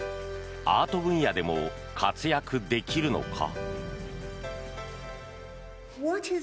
アート分野でも活躍できるのか。